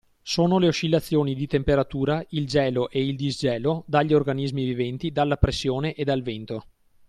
Sono le oscillazioni di temperatura, il gelo e il disgelo, dagli organismi viventi, dalla pressione e dal vento.